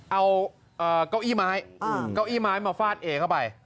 เอาเก้าอี้ไม้มาฟาดเอเข้าไป